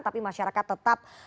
tapi masyarakat tetap